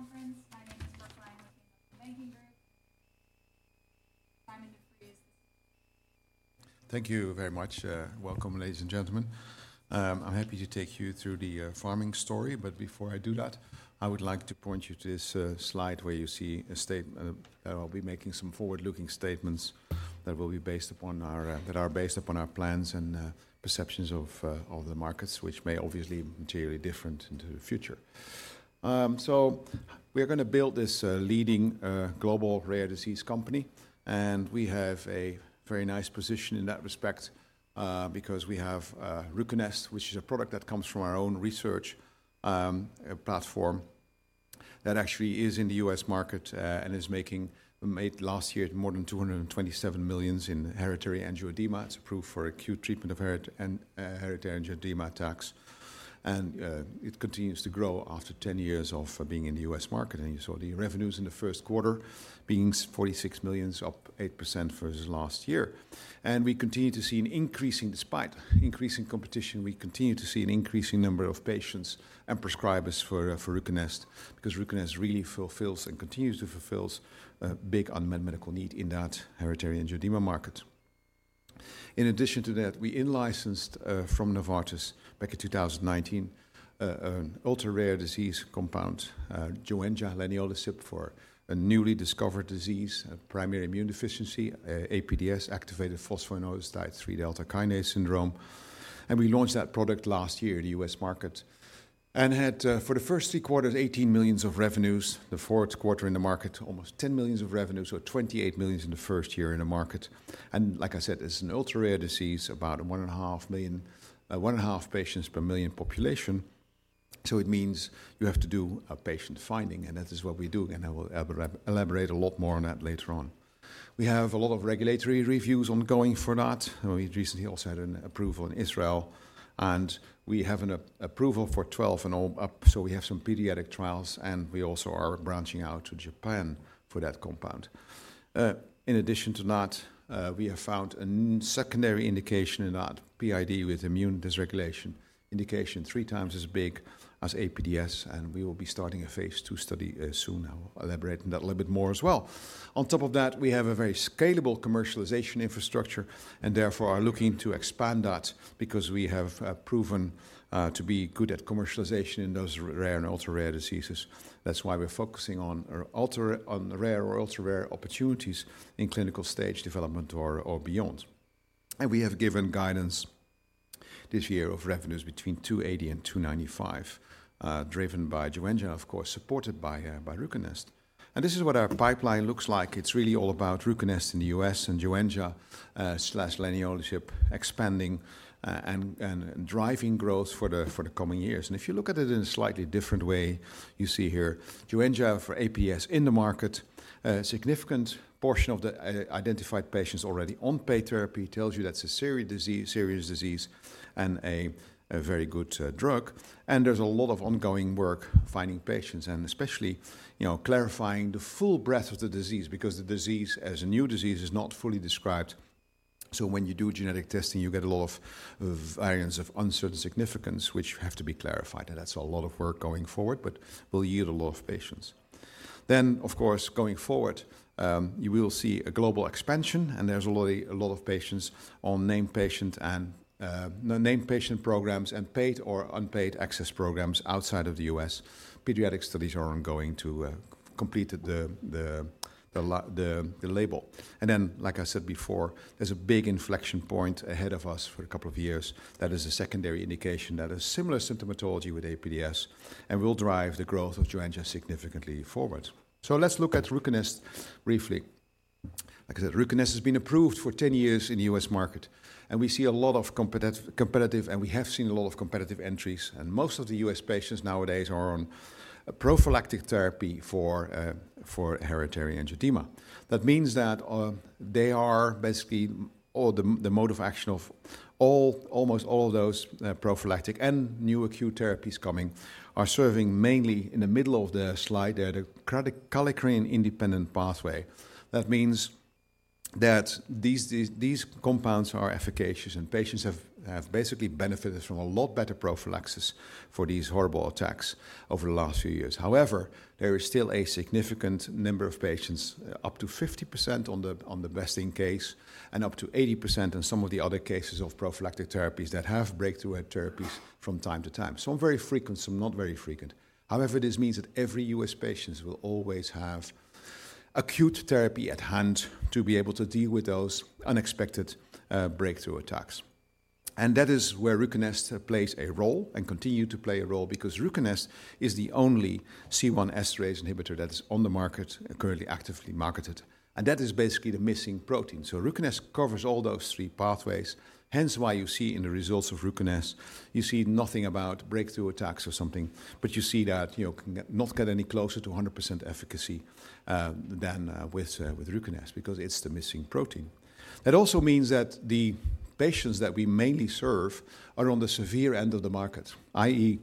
Good morning, everyone, and welcome to the Jefferies Healthcare Conference. My name is Pharming Group. Sijmen de Vries. Thank you very much. Welcome, ladies and gentlemen. I'm happy to take you through the Pharming story, but before I do that, I would like to point you to this slide where you see a statement. I'll be making some forward-looking statements that will be based upon our, that are based upon our plans and perceptions of the markets, which may obviously be materially different into the future. So we are gonna build this leading global rare disease company, and we have a very nice position in that respect, because we have Ruconest, which is a product that comes from our own research platform that actually is in the US market, and made last year more than $227 million in hereditary angioedema. It's approved for acute treatment of hereditary angioedema attacks. It continues to grow after 10 years of being in the US market. You saw the revenues in the first quarter being $46 million, up 8% versus last year. We continue to see an increasing number of patients and prescribers for Ruconest, because Ruconest really fulfills and continues to fulfills a big unmet medical need in that hereditary angioedema market. In addition to that, we in-licensed from Novartis back in 2019 an ultra-rare disease compound, Joenja, leniolisib, for a newly discovered disease, a primary immune deficiency, APDS, activated phosphoinositide 3-kinase delta syndrome. And we launched that product last year in the U.S. market and had, for the first three quarters, $18 million of revenues, the fourth quarter in the market, almost $10 million of revenues, so $28 million in the first year in the market. And like I said, it's an ultra-rare disease, about 1.5 patients per million population. So it means you have to do a patient finding, and that is what we do, and I will elaborate a lot more on that later on. We have a lot of regulatory reviews ongoing for that. We recently also had an approval in Israel, and we have an approval for 12 and up, so we have some pediatric trials, and we also are branching out to Japan for that compound. In addition to that, we have found a secondary indication in that PID with immune dysregulation indication, three times as big as APDS, and we will be starting a phase II study soon. I'll elaborate on that a little bit more as well. On top of that, we have a very scalable commercialization infrastructure and therefore are looking to expand that because we have proven to be good at commercialization in those rare and ultra-rare diseases. That's why we're focusing on rare or ultra-rare opportunities in clinical stage development or beyond. We have given guidance this year of revenues between €280 million and €295 million, driven by Joenja, of course, supported by Ruconest. This is what our pipeline looks like. It's really all about Ruconest in the U.S. and Joenja slash leniolisib, expanding and driving growth for the coming years. If you look at it in a slightly different way, you see here Joenja for APDS in the market. A significant portion of the identified patients already on paid therapy tells you that's a serious disease, serious disease and a very good drug. There's a lot of ongoing work finding patients and especially, you know, clarifying the full breadth of the disease, because the disease, as a new disease, is not fully described. So when you do genetic testing, you get a lot of variants of uncertain significance, which have to be clarified, and that's a lot of work going forward, but will yield a lot of patients. Then, of course, going forward, you will see a global expansion, and there's a lot, a lot of patients on named patient and non-named patient programs and paid or unpaid access programs outside of the U.S. Pediatric studies are ongoing to complete the label. And then, like I said before, there's a big inflection point ahead of us for a couple of years. That is a secondary indication that a similar symptomatology with APDS and will drive the growth of Joenja significantly forward. So let's look at Ruconest briefly. Like I said, Ruconest has been approved for 10 years in the U.S. market, and we see a lot of competitive, and we have seen a lot of competitive entries, and most of the U.S. patients nowadays are on a prophylactic therapy for hereditary angioedema. That means that, they are basically. Or the mode of action of all, almost all of those prophylactic and new acute therapies coming are serving mainly in the middle of the slide at a kallikrein independent pathway. That means that these compounds are efficacious, and patients have basically benefited from a lot better prophylaxis for these horrible attacks over the last few years. However, there is still a significant number of patients, up to 50% on the best-in-class, and up to 80% on some of the other cases of prophylactic therapies that have breakthrough attacks from time to time. Some very frequent, some not very frequent. However, this means that every U.S. patient will always have acute therapy at hand to be able to deal with those unexpected breakthrough attacks. And that is where Ruconest plays a role and continue to play a role because Ruconest is the only C1 esterase inhibitor that is on the market and currently actively marketed, and that is basically the missing protein. So Ruconest covers all those three pathways, hence why you see in the results of Ruconest, you see nothing about breakthrough attacks or something, but you see that, you know, can not get any closer to 100% efficacy than with Ruconest because it's the missing protein. That also means that the patients that we mainly serve are on the severe end of the market, i.e.,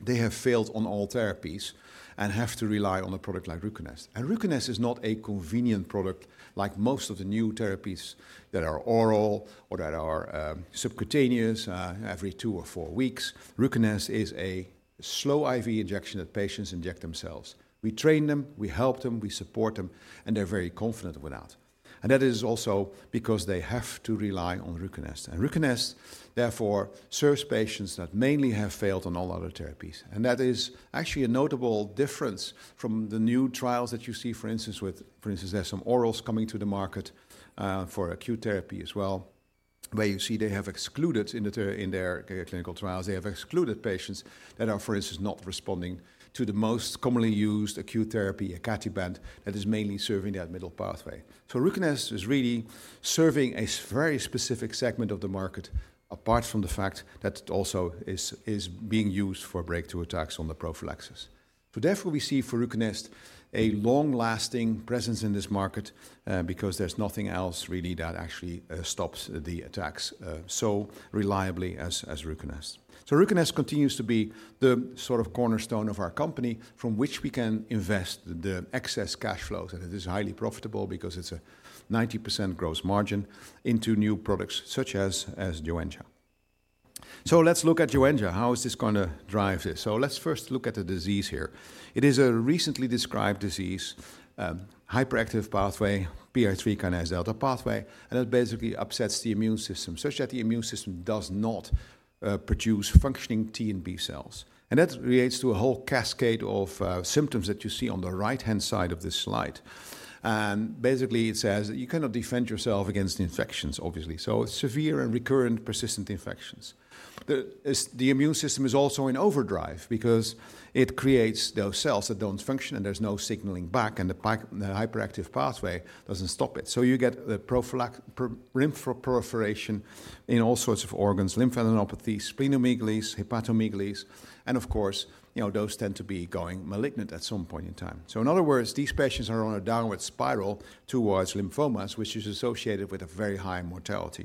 they have failed on all therapies and have to rely on a product like Ruconest. Ruconest is not a convenient product like most of the new therapies that are oral or that are subcutaneous every two or four weeks. Ruconest is a slow IV injection that patients inject themselves. We train them, we help them, we support them, and they're very confident with that. That is also because they have to rely on Ruconest. Ruconest, therefore, serves patients that mainly have failed on all other therapies. That is actually a notable difference from the new trials that you see, for instance, there are some orals coming to the market for acute therapy as well, where you see they have excluded, in their clinical trials, patients that are, for instance, not responding to the most commonly used acute therapy, icatibant, that is mainly serving that middle pathway. So Ruconest is really serving a very specific segment of the market, apart from the fact that it also is being used for breakthrough attacks on the prophylaxis. So therefore, we see for Ruconest a long-lasting presence in this market, because there's nothing else really that actually stops the attacks so reliably as Ruconest. So Ruconest continues to be the sort of cornerstone of our company from which we can invest the excess cash flows, and it is highly profitable because it's a 90% gross margin into new products such as Joenja. So let's look at Joenja. How is this gonna drive this? So let's first look at the disease here. It is a recently described disease, hyperactive pathway, PI3 kinase delta pathway, and it basically upsets the immune system such that the immune system does not produce functioning T and B cells. That relates to a whole cascade of symptoms that you see on the right-hand side of this slide. Basically, it says that you cannot defend yourself against infections, obviously, so severe and recurrent persistent infections. The immune system is also in overdrive because it creates those cells that don't function, and there's no signaling back, and the hyperactive pathway doesn't stop it. So you get the lymphoproliferation in all sorts of organs, lymphadenopathy, splenomegaly, hepatomegaly, and of course, you know, those tend to be going malignant at some point in time. So in other words, these patients are on a downward spiral towards lymphomas, which is associated with a very high mortality.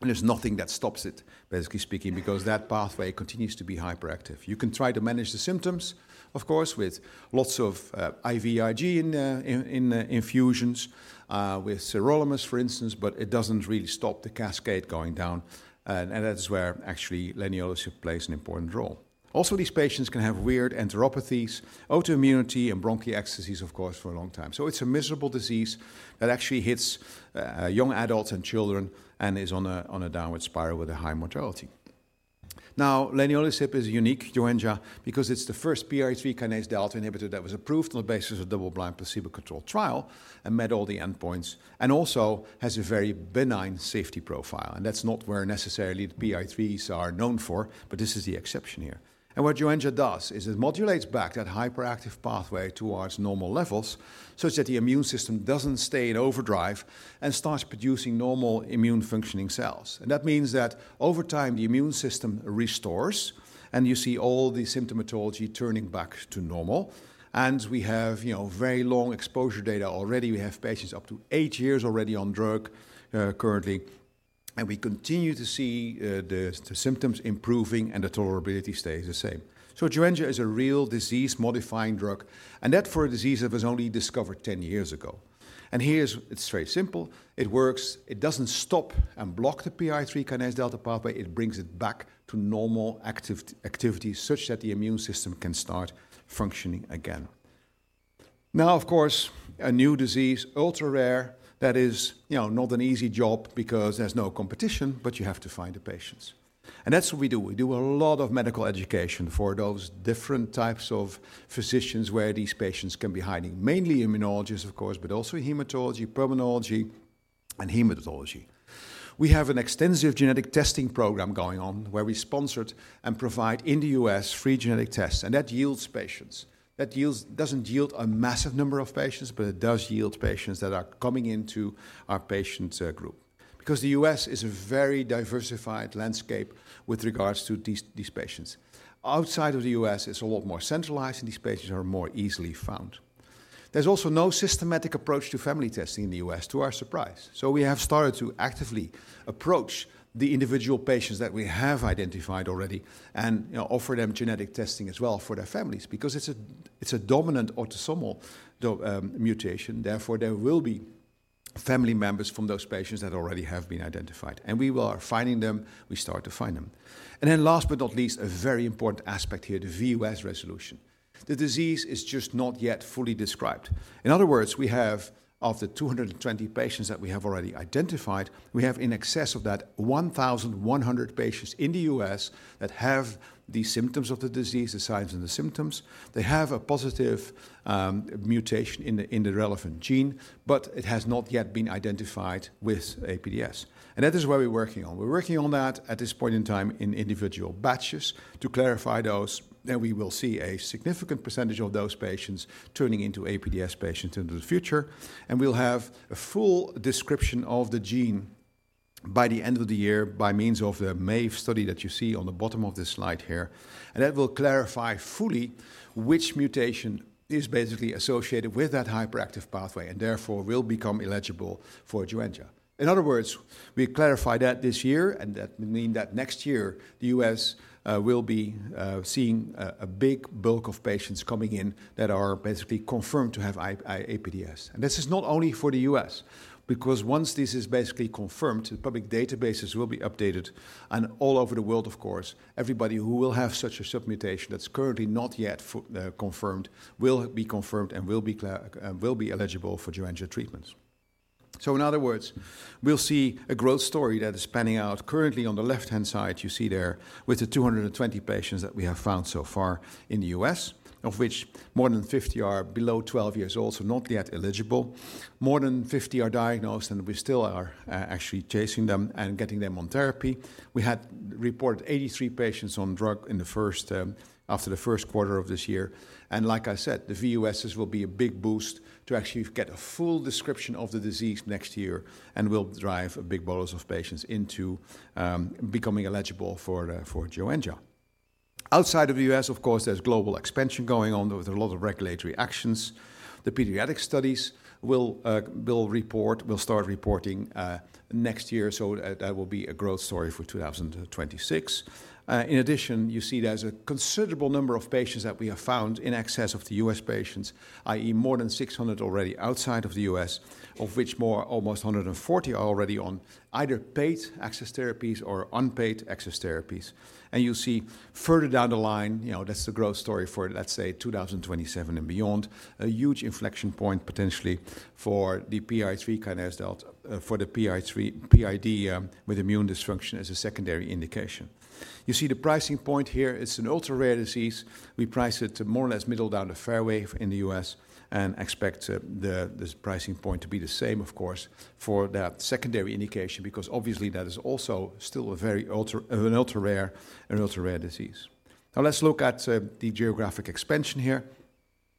And there's nothing that stops it, basically speaking, because that pathway continues to be hyperactive. You can try to manage the symptoms, of course, with lots of IVIG in infusions, with sirolimus, for instance, but it doesn't really stop the cascade going down, and that's where actually leniolisib plays an important role. Also, these patients can have weird enteropathies, autoimmunity, and bronchiectasis, of course, for a long time. So it's a miserable disease that actually hits young adults and children and is on a downward spiral with a high mortality. Now, leniolisib is unique, Joenja, because it's the first PI3 kinase delta inhibitor that was approved on the basis of double-blind, placebo-controlled trial and met all the endpoints, and also has a very benign safety profile. And that's not where necessarily the PI3s are known for, but this is the exception here. And what Joenja does is it modulates back that hyperactive pathway towards normal levels such that the immune system doesn't stay in overdrive and starts producing normal immune functioning cells. And that means that over time, the immune system restores, and you see all the symptomatology turning back to normal. And we have, you know, very long exposure data already. We have patients up to 8 years already on drug, currently, and we continue to see the symptoms improving and the tolerability stays the same. Joenja is a real disease-modifying drug, and that for a disease that was only discovered 10 years ago. Here's... it's very simple: it works. It doesn't stop and block the PI3 kinase delta pathway, it brings it back to normal active activity such that the immune system can start functioning again. Now, of course, a new disease, ultra-rare, that is, you know, not an easy job because there's no competition, but you have to find the patients. That's what we do. We do a lot of medical education for those different types of physicians where these patients can be hiding, mainly immunologists, of course, but also hematology, pulmonology, and hematology. We have an extensive genetic testing program going on where we sponsored and provide, in the U.S., free genetic tests, and that yields patients. That doesn't yield a massive number of patients, but it does yield patients that are coming into our patient group. Because the U.S. is a very diversified landscape with regards to these, these patients. Outside of the U.S., it's a lot more centralized, and these patients are more easily found. There's also no systematic approach to family testing in the U.S., to our surprise. So we have started to actively approach the individual patients that we have identified already and, you know, offer them genetic testing as well for their families, because it's a, it's a dominant autosomal mutation. Therefore, there will be family members from those patients that already have been identified, and we are finding them. We start to find them. And then last but not least, a very important aspect here, the VUS resolution. The disease is just not yet fully described. In other words, we have, of the 220 patients that we have already identified, we have in excess of that 1,100 patients in the U.S. that have the symptoms of the disease, the signs and the symptoms. They have a positive mutation in the, in the relevant gene, but it has not yet been identified with APDS, and that is where we're working on. We're working on that at this point in time in individual batches to clarify those, then we will see a significant percentage of those patients turning into APDS patients into the future, and we'll have a full description of the gene-... By the end of the year, by means of the MAVE study that you see on the bottom of this slide here, and that will clarify fully which mutation is basically associated with that hyperactive pathway, and therefore will become eligible for Joenja. In other words, we clarify that this year, and that will mean that next year, the U.S. will be seeing a big bulk of patients coming in that are basically confirmed to have APDS. And this is not only for the U.S., because once this is basically confirmed, the public databases will be updated. And all over the world, of course, everybody who will have such a submutation that's currently not yet confirmed, will be confirmed and will be eligible for Joenja treatments. So in other words, we'll see a growth story that is panning out. Currently, on the left-hand side, you see there with the 220 patients that we have found so far in the U.S., of which more than 50 are below 12 years old, so not yet eligible. More than 50 are diagnosed, and we still are actually chasing them and getting them on therapy. We had reported 83 patients on drug in the first quarter of this year. And like I said, the VUSs will be a big boost to actually get a full description of the disease next year and will drive a big bolus of patients into becoming eligible for Joenja. Outside of the U.S., of course, there's global expansion going on with a lot of regulatory actions. The pediatric studies will start reporting next year, so that will be a growth story for 2026. In addition, you see there's a considerable number of patients that we have found in excess of the U.S. patients, i.e., more than 600 already outside of the U.S., of which more almost 140 are already on either paid access therapies or unpaid access therapies. And you see further down the line, you know, that's the growth story for, let's say, 2027 and beyond, a huge inflection point, potentially for the PI3 kinase delta for the PI3 PID with immune dysfunction as a secondary indication. You see the pricing point here, it's an ultra-rare disease. We price it to more or less middle down the fairway in the U.S. and expect, the, this pricing point to be the same, of course, for that secondary indication, because obviously that is also still a very ultra- an ultra-rare, an ultra-rare disease. Now, let's look at, the geographic expansion here.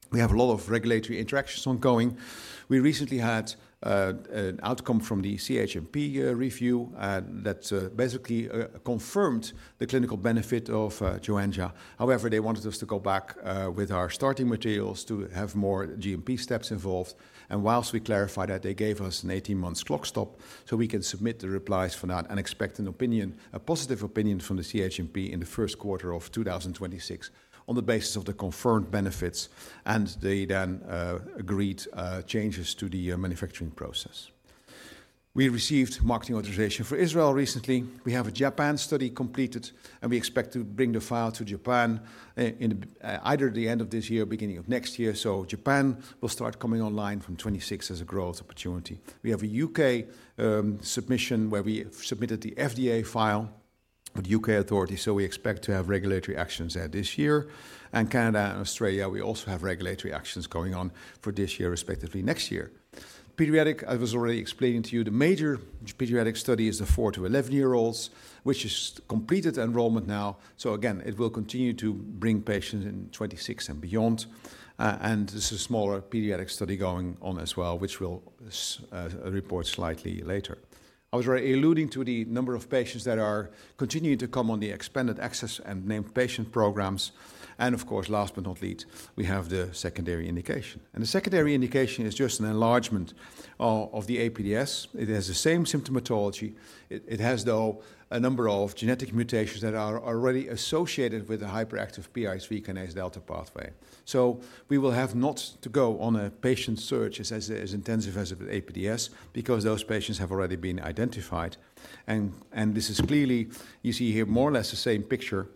We have a lot of regulatory interactions ongoing. We recently had, an outcome from the CHMP, review, and that, basically, confirmed the clinical benefit of, Joenja. However, they wanted us to go back, with our starting materials to have more GMP steps involved. And whilst we clarify that, they gave us an 18 months clock stop, so we can submit the replies for that and expect an opinion, a positive opinion from the CHMP in the first quarter of 2026 on the basis of the confirmed benefits, and the then agreed changes to the manufacturing process. We received marketing authorization for Israel recently. We have a Japan study completed, and we expect to bring the file to Japan in either the end of this year or beginning of next year. So Japan will start coming online from 2026 as a growth opportunity. We have a UK submission, where we submitted the FDA file with UK authorities, so we expect to have regulatory actions there this year. And Canada and Australia, we also have regulatory actions going on for this year, respectively next year. Pediatric, I was already explaining to you, the major pediatric study is the 4-11-year-olds, which is completed enrollment now. So again, it will continue to bring patients in 2026 and beyond, and there's a smaller pediatric study going on as well, which we'll report slightly later. I was already alluding to the number of patients that are continuing to come on the expanded access and named patient programs. And of course, last but not least, we have the secondary indication. And the secondary indication is just an enlargement of, of the APDS. It has the same symptomatology. It, it has, though, a number of genetic mutations that are already associated with the hyperactive PI3 kinase delta pathway. So we will have not to go on a patient search as intensive as APDS, because those patients have already been identified. This is clearly, you see here, more or less the same picture.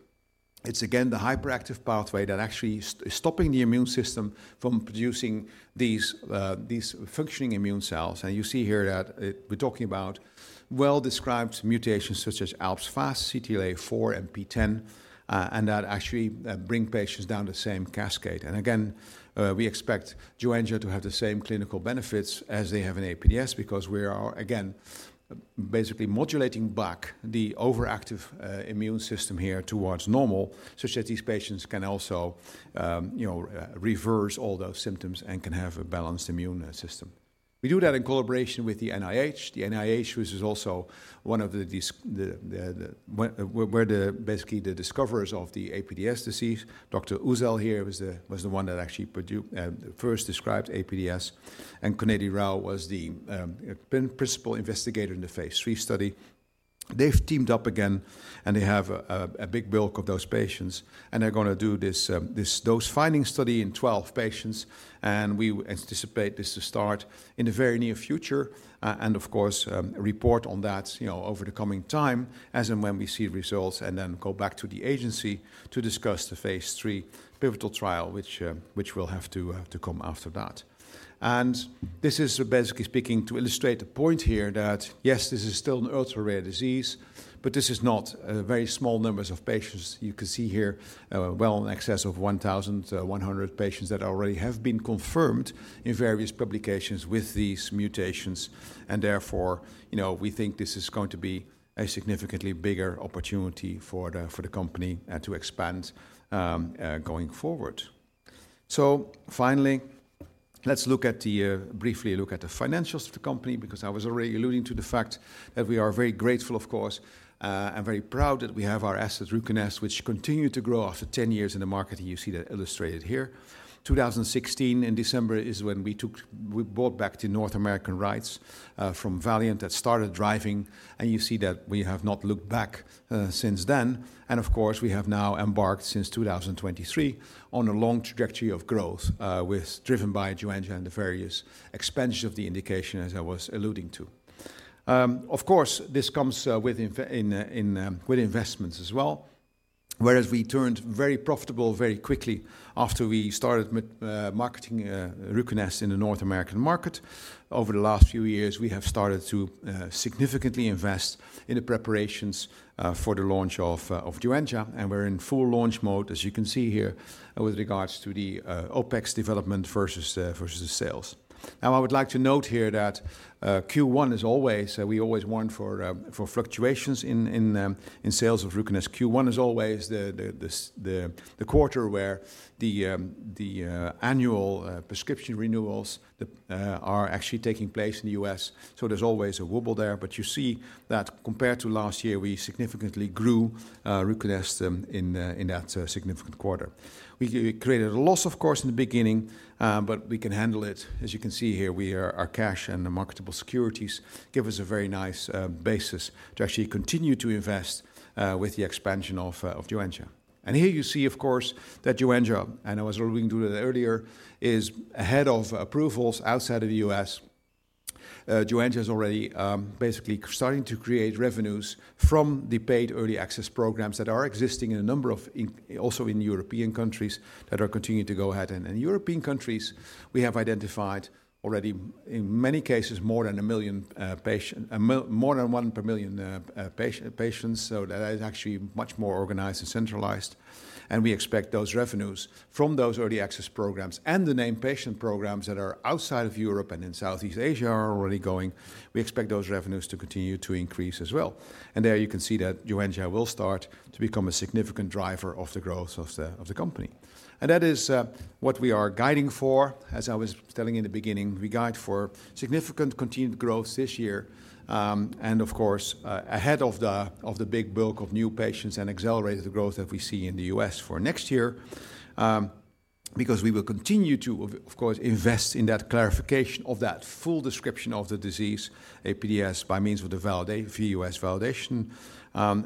It's again, the hyperactive pathway that actually stopping the immune system from producing these, these functioning immune cells. And you see here that, we're talking about well-described mutations such as ALPS-FAS, CTLA-4, and PTEN, and that actually, bring patients down the same cascade. And again, we expect Joenja to have the same clinical benefits as they have in APDS because we are, again, basically modulating back the overactive, immune system here towards normal, such that these patients can also, you know, reverse all those symptoms and can have a balanced immune system. We do that in collaboration with the NIH. The NIH, which is also one of the discoverers of the APDS disease. Dr. Gulbu Uzel here was the one that actually first described APDS, and V. Koneti Rao was the principal investigator in the phase 3 study. They've teamed up again, and they have a big bulk of those patients, and they're gonna do this dose-finding study in 12 patients, and we anticipate this to start in the very near future. And of course, report on that, you know, over the coming time as and when we see results, and then go back to the agency to discuss the phase 3 pivotal trial, which will have to come after that. And this is, basically speaking, to illustrate the point here that, yes, this is still an ultra-rare disease, but this is not a very small numbers of patients. You can see here, well in excess of 1,100 patients that already have been confirmed in various publications with these mutations. And therefore, you know, we think this is going to be a significantly bigger opportunity for the company to expand going forward. Let's look at the financials of the company briefly, because I was already alluding to the fact that we are very grateful, of course, and very proud that we have our assets, Ruconest, which continue to grow after 10 years in the market, and you see that illustrated here. December 2016 is when we bought back the North American rights from Valeant that started driving, and you see that we have not looked back since then. Of course, we have now embarked since 2023 on a long trajectory of growth, with driven by Joenja and the various expansion of the indication, as I was alluding to. Of course, this comes with investments as well. Whereas we turned very profitable very quickly after we started marketing Ruconest in the North American market. Over the last few years, we have started to significantly invest in the preparations for the launch of Joenja, and we're in full launch mode, as you can see here, with regards to the OpEx development versus the sales. Now, I would like to note here that Q1 is always we always warn for fluctuations in sales of Ruconest. Q1 is always the quarter where the annual prescription renewals are actually taking place in the US, so there's always a wobble there. But you see that compared to last year, we significantly grew Ruconest in that significant quarter. We created a loss, of course, in the beginning, but we can handle it. As you can see here, our cash and the marketable securities give us a very nice basis to actually continue to invest with the expansion of Joenja. And here you see, of course, that Joenja, and I was alluding to that earlier, is ahead of approvals outside of the US. Joenja is already basically starting to create revenues from the paid early access programs that are existing in a number of in... Also in European countries that are continuing to go ahead. And in European countries, we have identified already, in many cases, more than 1 million patients, more than 1 per million patients, so that is actually much more organized and centralized. And we expect those revenues from those early access programs and the named patient programs that are outside of Europe and in Southeast Asia are already going. We expect those revenues to continue to increase as well. And there you can see that Joenja will start to become a significant driver of the growth of the company. And that is what we are guiding for. As I was telling you in the beginning, we guide for significant continued growth this year, and of course, ahead of the big bulk of new patients and accelerated the growth that we see in the US for next year, because we will continue to, of course, invest in that clarification of that full description of the disease, APDS, by means of the US validation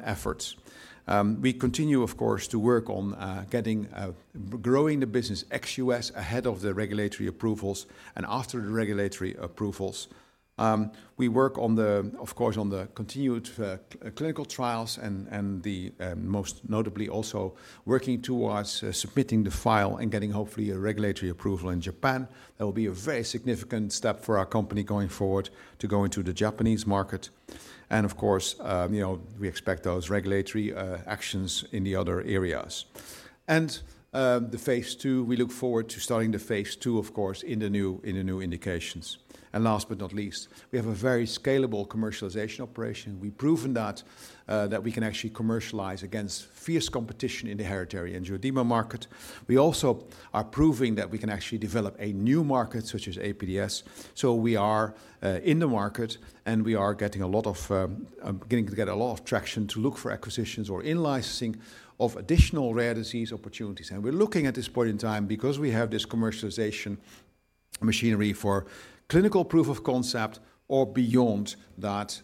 efforts. We continue, of course, to work on getting, growing the business ex-US ahead of the regulatory approvals and after the regulatory approvals. We work on, of course, the continued clinical trials and the most notably also working towards submitting the file and getting, hopefully, a regulatory approval in Japan. That will be a very significant step for our company going forward to go into the Japanese market. And of course, you know, we expect those regulatory actions in the other areas. And the phase two, we look forward to starting the phase two, of course, in the new indications. And last but not least, we have a very scalable commercialization operation. We've proven that we can actually commercialize against fierce competition in the hereditary angioedema market. We also are proving that we can actually develop a new market, such as APDS. So we are in the market, and we are getting a lot of traction to look for acquisitions or in-licensing of additional rare disease opportunities. We're looking at this point in time because we have this commercialization machinery for clinical proof of concept or beyond that,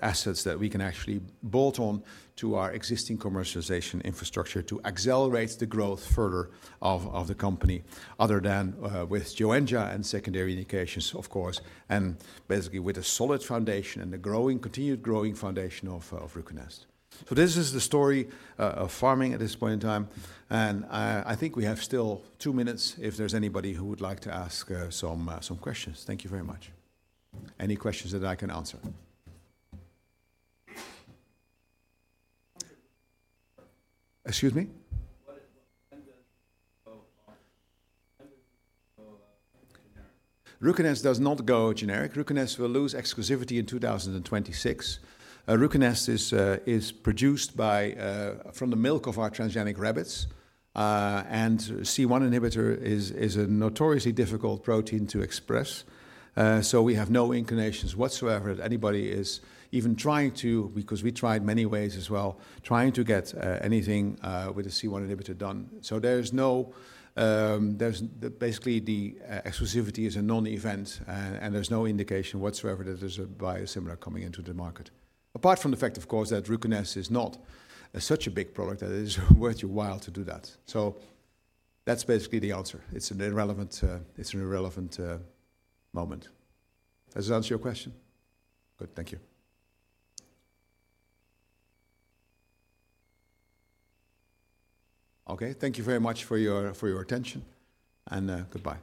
assets that we can actually bolt on to our existing commercialization infrastructure to accelerate the growth further of the company, other than with Joenja and secondary indications, of course, and basically with a solid foundation and the growing, continued growing foundation of Ruconest. So this is the story of Pharming at this point in time, and I think we have still two minutes if there's anybody who would like to ask some questions. Thank you very much. Any questions that I can answer? Excuse me? Excuse me? What is... When does go generic? Ruconest does not go generic. Ruconest will lose exclusivity in 2026. Ruconest is produced from the milk of our transgenic rabbits. And C1 inhibitor is a notoriously difficult protein to express, so we have no indications whatsoever that anybody is even trying to, because we tried many ways as well, trying to get anything with a C1 inhibitor done. So there is no, there's basically the exclusivity is a non-event, and there's no indication whatsoever that there's a biosimilar coming into the market. Apart from the fact, of course, that Ruconest is not such a big product that it is worth your while to do that. So that's basically the answer. It's an irrelevant, it's an irrelevant moment. Does that answer your question? Good. Thank you. Okay, thank you very much for your, for your attention, and goodbye.